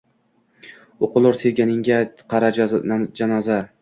O’qilur sevgingga qora janoza.